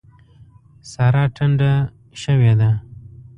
سارا ټنډه شوې ده.